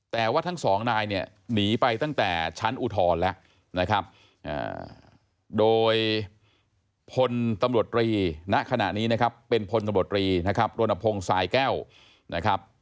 แต่ว่าทั้งสองนายเนี่ยหนีไปตั้งแต่ชั้นอุทธรณ์แล้วนะครับโดยพลตำรวจรีณขณะนี้นะครับเป็นพลตำรวจรีนะครับรณพงศ์สายแก้วนะครับ